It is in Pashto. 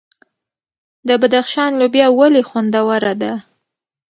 د بدخشان لوبیا ولې خوندوره ده؟